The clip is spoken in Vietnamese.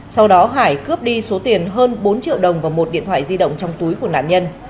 sau đó hải cướp đi số tiền hơn bốn triệu đồng và một điện thoại di động trong túi của nạn nhân